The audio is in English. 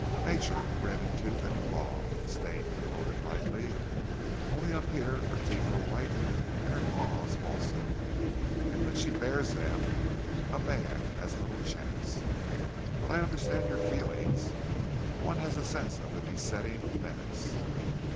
"Nature red in tooth and claw," Stane quoted lightly, "only up here her teeth are white, and her claws also. And when she bares them a man has little chance. But I understand your feeling, one has the sense of a besetting menace.